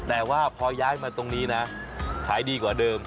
แต่ว่าพอย้ายมาตรงนี้นะขายดีกว่าเดิม